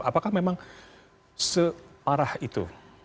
apakah memang separah itu